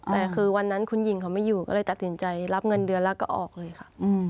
แต่คือวันนั้นคุณหญิงเขาไม่อยู่ก็เลยตัดสินใจรับเงินเดือนแล้วก็ออกเลยค่ะ